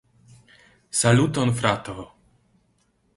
Saluton frato!